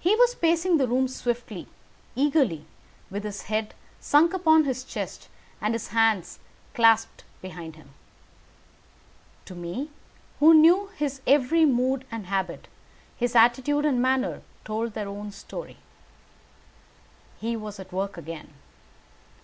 He was pacing the room swiftly, eagerly, with his head sunk upon his chest, and his hands clasped behind him. To me, who knew his every mood and habit, his attitude and manner told their own story. He was at work again.